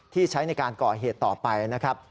ใช้ในการก่อเหตุต่อไปนะครับ